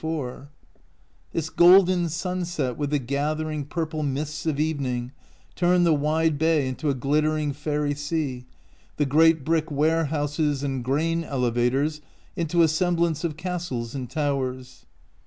234 OUT OF BOHEMIA This golden sunset with the gathering purple mists of evening turned the wide bay into a glittering fairy sea, the great brick warehouses and grain elevators into a sem blance of castles and towers.